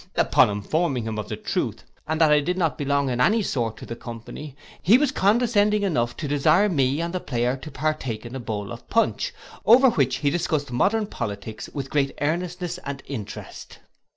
Upon informing him of the truth, and that I did not belong in any sort to the company, he was condescending enough to desire me and the player to partake in a bowl of punch, over which he discussed modern politics with great earnestness and interest.